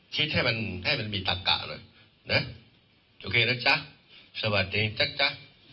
คิดให้มันให้มันมีตักกะหน่อยนะโอเคนะจ๊ะสวัสดีจ๊ะ